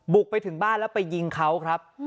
บุกไปถึงบ้านแล้วไปยิงเขาครับ